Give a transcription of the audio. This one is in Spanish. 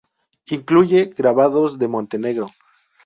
Incluye grabados de Montenegro.